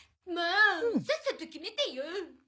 もうさっさと決めてよ！